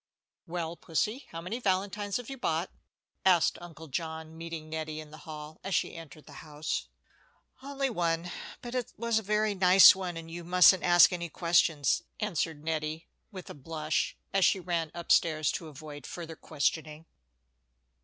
"Well, Pussie, how many valentines have you bought?" asked Uncle John, meeting Nettie in the hall as she entered the house. "Only one; but it was a very nice one, and you mustn't ask any questions," answered Nettie, with a blush, as she ran up stairs to avoid further questioning.